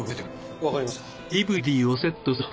わかりました。